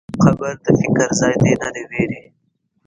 قبر د فکر ځای دی، نه د وېرې.